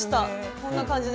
こんな感じで。